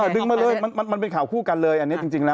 ดึงมาเลยมันเป็นข่าวคู่กันเลยอันนี้จริงนะ